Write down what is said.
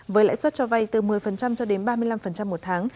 với lãi suất cho vay từ một mươi cho đến ba mươi năm một tháng